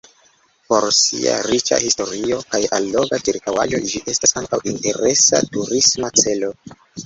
Por sia riĉa historio kaj alloga ĉirkaŭaĵo ĝi estas ankaŭ interesa turisma celo.